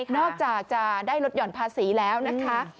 นอกจากจะได้ลดห่อนภาษีแล้วนะคะ